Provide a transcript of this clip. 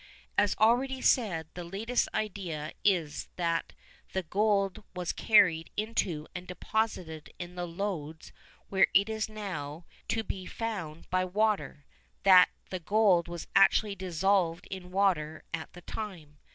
As already said, the latest idea is that the gold was carried into and deposited in the lodes where it is now to be found by water that the gold was actually dissolved in water at the time.